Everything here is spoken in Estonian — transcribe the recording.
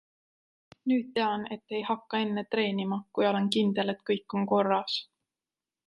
Nüüd tean, et ei hakka enne treenima, kui olen kindel, et kõik on korras.